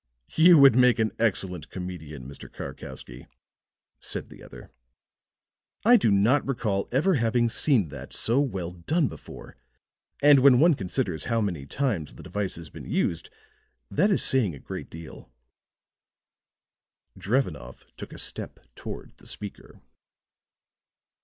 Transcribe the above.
"You would make an excellent comedian, Mr. Karkowsky," said the other. "I do not recall ever having seen that so well done before. And when one considers how many times the device has been used, that is saying a great deal." Drevenoff took a step toward the speaker.